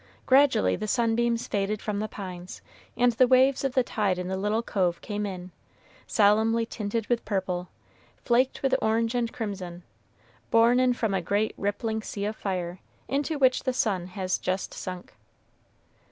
Gradually the sunbeams faded from the pines, and the waves of the tide in the little cove came in, solemnly tinted with purple, flaked with orange and crimson, borne in from a great rippling sea of fire, into which the sun had just sunk.